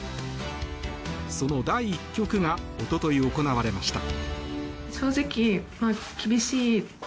その第１局が一昨日行われました。